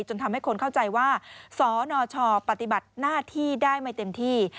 จนทำให้คนเข้าใจว่าสนชปฏิบัติหน้าที่ได้ไม่เต็มที่